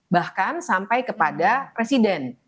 bahkan sampai kepada presiden